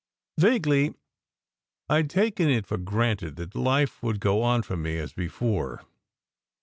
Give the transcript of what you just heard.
Vaguely, I d taken it for granted that life would go on for me as before.